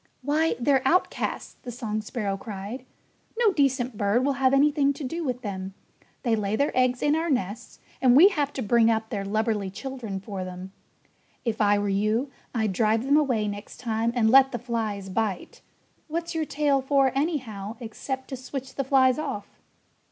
"Why, they're outcasts!" the song sparrow cried. "No decent bird will have anything to do with them. They lay their eggs in our nests and we have to bring up their lubberly children for them. If I were you I'd drive them away next time and let the flies bite. What's your tail for, anyhow, except to switch the flies off?"